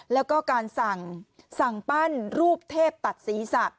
แล้วก็การสั่งปั้นรูปเทพตัดศีรษะ